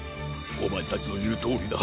おまえたちのいうとおりだ。